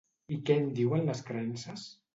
I què en diuen les creences?